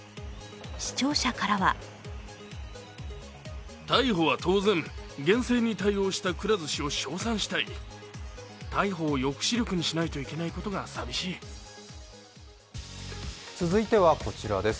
視聴者からは続いては、こちらです。